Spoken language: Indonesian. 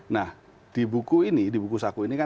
nah di buku ini di buku saku ini kan